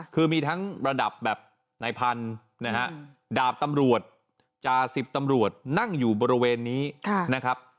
คือมีทั้งระดับแบบนายพันธุ์นะฮะดาบตำรวจจาสิบตำรวจนั่งอยู่บริเวณนี้นะครับ